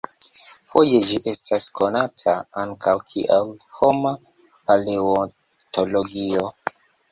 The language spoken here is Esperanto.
Foje ĝi estas konata ankaŭ kiel "homa paleontologio".